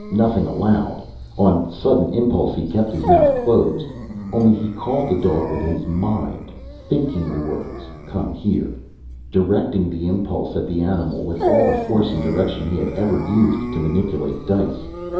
Nothing aloud. On sudden impulse he kept his mouth closed only he called the dog with his mind. Thinking the words come here, directing the impulse at the animal with all the force and direction he had ever used to manipulate dice.